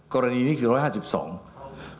กรณีนี้คือ๑๕๒